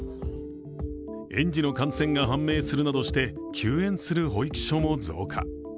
園児の感染が判明するなどして休園する保育所も増加。